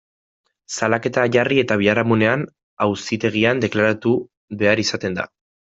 Salaketa jarri eta biharamunean, auzitegian deklaratu behar izaten da.